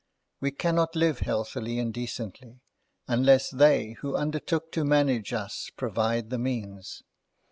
We cannot live healthily and decently, unless they who undertook to manage us provide the means.